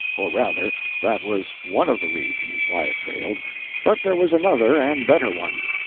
Or rather, that was one of the reasons why it failed, but there was another and better one.